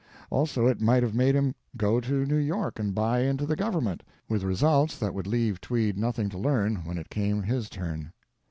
Also, it might have made him go to New York and buy into the Government, with results that would leave Tweed nothing to learn when it came his turn.